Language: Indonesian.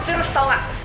virus tau gak